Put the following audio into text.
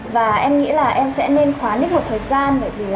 và em nghĩ là em sẽ nên khóa nít một thời gian